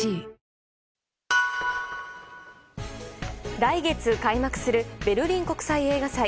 来月開幕するベルリン国際映画祭。